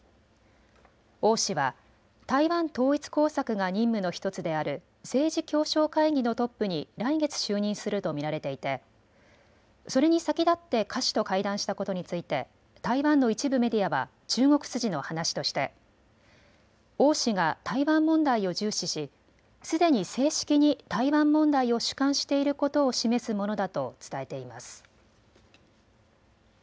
王氏は台湾統一工作が任務の１つである政治協商会議のトップに来月就任すると見られていてそれに先立って夏氏と会談したことについて台湾の一部メディアは中国筋の話として王氏が台湾問題を重視しすでに正式に台湾問題を主管していることを示すものだと伝えています。